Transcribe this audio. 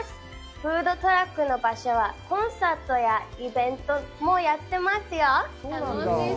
フードトラックの場所はコンサートやイベントもやってますよ。